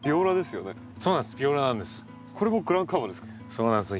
そうなんですよ。